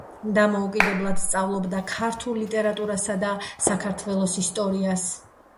დამოუკიდებლად სწავლობდა ქართულ ლიტერატურასა და საქართველოს ისტორიას.